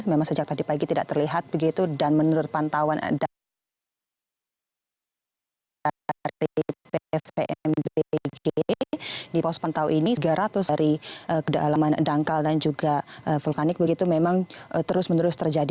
memang sejak tadi pagi tidak terlihat begitu dan menurut pantauan dari pvmbg di pos pantau ini tiga ratus dari kedalaman dangkal dan juga vulkanik begitu memang terus menerus terjadi